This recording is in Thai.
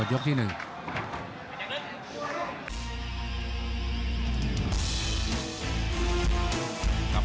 เดี๋ยุค๒